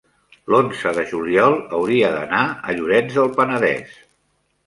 l'onze de juliol hauria d'anar a Llorenç del Penedès.